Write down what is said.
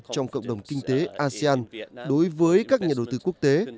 trong cộng đồng kinh tế asean đối với các nhà đầu tư quốc tế